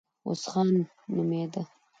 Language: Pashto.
عوض خان نومېده.